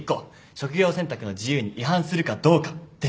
職業選択の自由に違反するかどうかです。